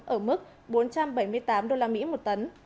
ở mức bốn trăm bảy mươi tám usd một tấn